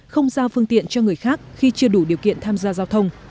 không giao phương tiện cho người khác khi chưa đủ điều kiện tham gia giao thông